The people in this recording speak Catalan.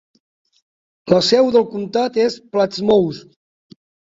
La seu del comtat és Plattsmouth.